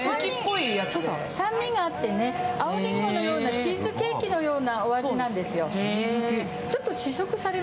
酸味があって青リンゴのようなチーズケーキのようなお味なんですよ。